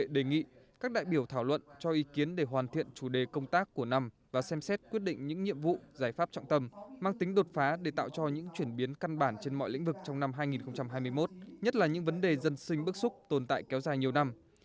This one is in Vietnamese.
đề nghị các đại biểu thảo luận cho ý kiến để hoàn thiện chủ đề công tác của năm và xem xét quyết định những nhiệm vụ giải pháp trọng tâm mang tính đột phá để tạo cho những chuyển biến căn bản trên mọi lĩnh vực trong năm hai nghìn hai mươi một nhất là những vấn đề dân sinh bức xúc tồn tại kéo dài nhiều năm